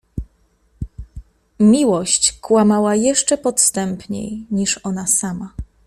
Miłość kłamała jeszcze podstępniej niż ona sama.